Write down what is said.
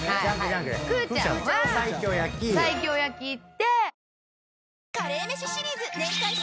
くぅちゃんは西京焼きいって。